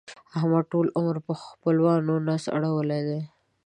احمد ټول عمر پر خپلوانو نس اړول دی.